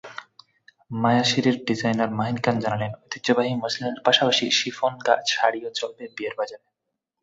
মায়াসীরের designer Mahin Khan জানালেন, ঐতিহ্যবাহী মসলিনের পাশাপাশি শিফন শাড়িও চলবে বিয়ের বাজারে।